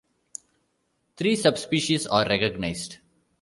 Three subspecies are recognized.